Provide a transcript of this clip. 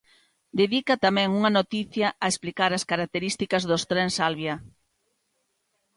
Dedica tamén unha noticia a explicar as características dos trens Alvia.